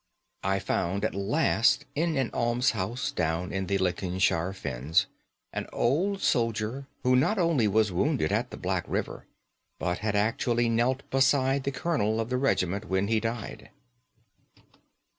I found at last in an almshouse down in the Lincolnshire Fens an old soldier who not only was wounded at the Black River, but had actually knelt beside the colonel of the regiment when he died.